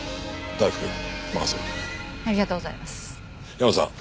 ヤマさん。